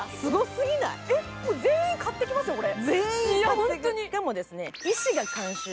全員買っていきますよ、これ。